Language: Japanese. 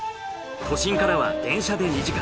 都心からは電車で２時間。